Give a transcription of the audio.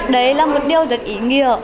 đấy là một điều rất ý nghĩa